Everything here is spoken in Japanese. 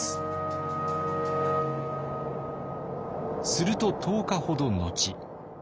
すると１０日ほど後。